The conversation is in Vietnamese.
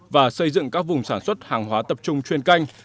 và xây dựng các vùng sản xuất hàng hóa tập trung chuyên canh